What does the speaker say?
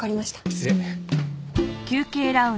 失礼。